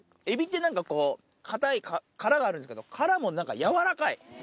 エビってなんかこう、硬い殻があるんですけど、殻もなんかやわらかい。